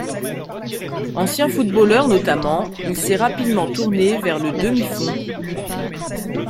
Ancien footballeur notamment, il s’est rapidement tourné vers le demi-fond.